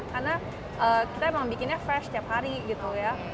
karena kita emang bikinnya fresh tiap hari gitu ya